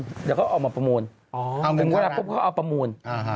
เดี๋ยวเขาเอามาประมูลถึงเวลาปุ๊บเขาเอาประมูล